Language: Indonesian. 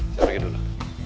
saya pergi dulu